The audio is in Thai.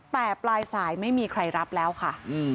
แต่ปลายสายไม่มีใครรับแล้วค่ะ